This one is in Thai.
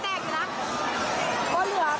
กลัวหัวแตกดีนะ